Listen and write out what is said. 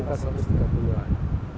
terus kita satu ratus tiga puluh an